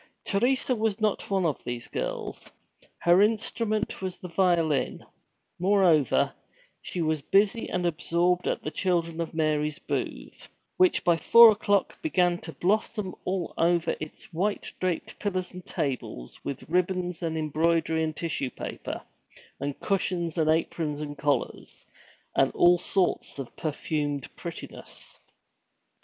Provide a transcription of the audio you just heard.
Teresa was not one of these girls. Her instrument was the violin; moreover, she was busy and absorbed at the Children of Mary's booth, which by four o'clock began to blossom all over its white draped pillars and tables with ribbons and embroidery and tissue paper, and cushions and aprons and collars, and all sorts of perfumed prettiness.